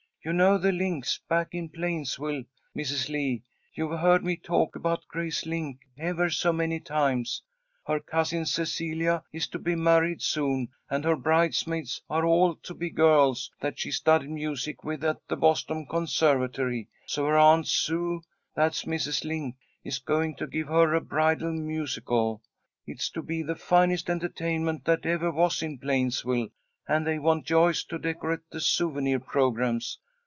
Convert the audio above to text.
"You know the Links, back in Plainsville, Mrs. Lee. You've heard me talk about Grace Link ever so many times. Her cousin Cecelia is to be married soon, and her bridesmaids are all to be girls that she studied music with at the Boston Conservatory. So her Aunt Sue, that's Mrs. Link, is going to give her a bridal musicale. It's to be the finest entertainment that ever was in Plainsville, and they want Joyce to decorate the souvenir programmes.